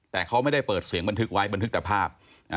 แต่เขาไม่ได้เปิดเสียงบันทึกไว้บันทึกแต่ภาพ